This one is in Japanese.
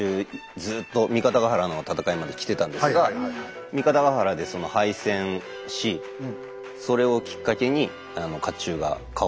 ずっと「三方ヶ原の戦い」まで着てたんですが三方ヶ原でその敗戦しそれをきっかけに甲冑が変わっていくという。